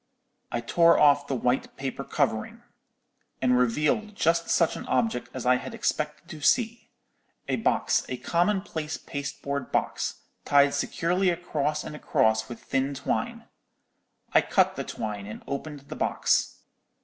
"I tore off the white paper covering, and revealed just such an object as I had expected to see—a box, a common place pasteboard box, tied securely across and across with thin twine. I cut the twine and opened the box.